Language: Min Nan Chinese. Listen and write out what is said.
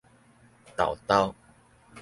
沓沓